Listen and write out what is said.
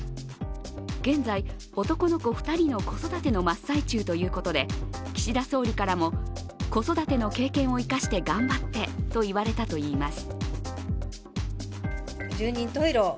現在、男の子２人の子育ての真っ最中ということで岸田総理からも子育ての経験を生かして頑張ってと言われたといいます。